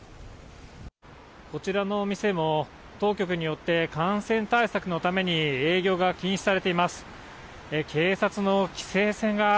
こちらのお店も当局によって、感染対策のために営業が禁止されています。